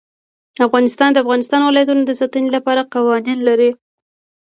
افغانستان د د افغانستان ولايتونه د ساتنې لپاره قوانین لري.